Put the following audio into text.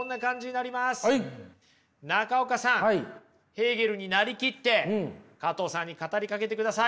ヘーゲルに成りきって加藤さんに語りかけてください。